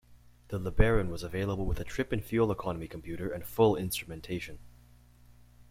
The LeBaron was available with a trip and fuel economy computer and full instrumentation.